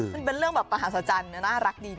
มันเป็นเรื่องประหารสัจจันทร์น่ารักดี